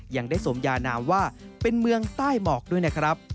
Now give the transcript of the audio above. ยังได้สมยานามว่าเป็นเมืองใต้หมอกด้วยนะครับ